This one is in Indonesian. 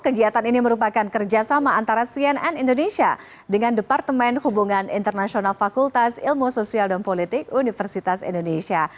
kegiatan ini merupakan kerjasama antara cnn indonesia dengan departemen hubungan internasional fakultas ilmu sosial dan politik universitas indonesia